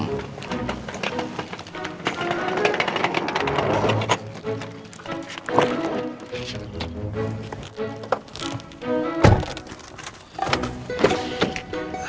ma sebentar ya